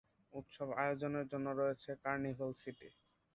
উৎসব আয়োজনের জন্য রয়েছে কার্নিভাল সিটি।